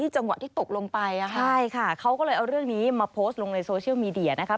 ใช่ค่ะเขาก็เลยเอาเรื่องนี้มาโพสต์ลงในโซเชียลมีเดียนะครับ